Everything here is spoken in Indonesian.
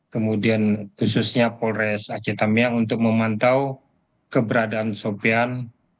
kemudian khususnya polres aceh tamiang untuk memantau keberadaan sopian